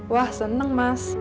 wah senang mas